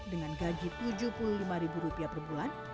dengan gaji tujuh puluh lima rupiah per bulan